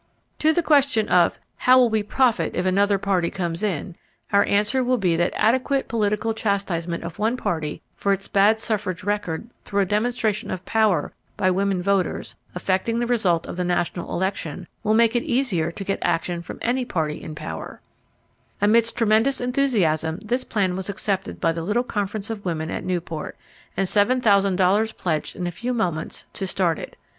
To the question of "How will we profit if another party comes in?" our answer will be that adequate political chastisement of one party for its bad suffrage record through a demonstration of power by women voters affecting the result of the national election, will make it easier to get action from any party in power Amidst tremendous enthusiasm this plan was accepted by the little conference of women at Newport, and $7,000 pledged in a few moments to start it.